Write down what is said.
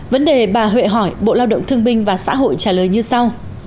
vấn đề bà huệ hỏi bộ lao động thương binh và xã hội trả lời như sau